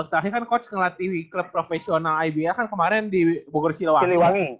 setelah ini kan coach ngelatih klub profesional iba kan kemarin di bogor siluwangi